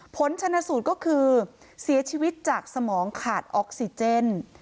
ผลชนสูตรก็คือเสียชีวิตจากสมองขาดออกซิเจน